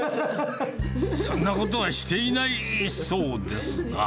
そんなことはしていないそうですが。